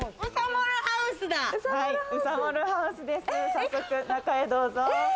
早速、中へどうぞ。